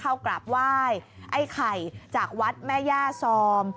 เข้ากราบไหว้ไอ้ไข่จากวัดแม่ย่าซอม